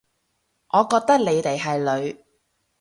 我覺得你哋係女